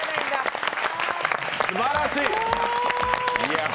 すばらしい！